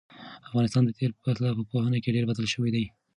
افغانستان د تېر په پرتله په پوهنه کې ډېر بدل شوی دی.